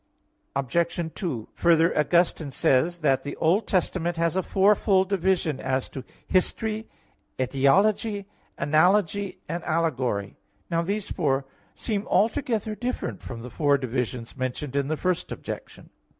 Obj. 2: Further, Augustine says (De util. cred. iii) that "the Old Testament has a fourfold division as to history, etiology, analogy and allegory." Now these four seem altogether different from the four divisions mentioned in the first objection.